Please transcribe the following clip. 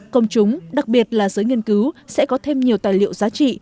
công chúng đặc biệt là giới nghiên cứu sẽ có thêm nhiều tài liệu giá trị